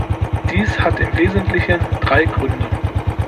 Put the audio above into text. Dies hat im Wesentlichen drei Gründe.